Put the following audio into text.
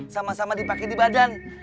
sama sama dipakai di badan